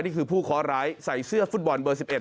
นี่คือผู้เคาะร้ายใส่เสื้อฟุตบอลเบอร์๑๑